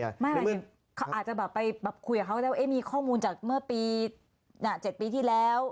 อาจจะไปคุยกับเขาแล้วมีข้อมูลจากเมื่อปี๗ปีที่แล้ว